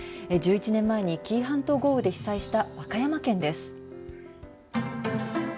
１１年前に紀伊半島豪雨で被災した和歌山県です。